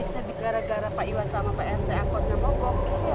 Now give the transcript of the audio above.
jadi kita gara gara pak iwan sama pak ente angkotnya bohong